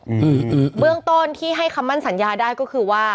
อืมเบื้องต้นที่ให้คำมั่นสัญญาได้ก็คือว่า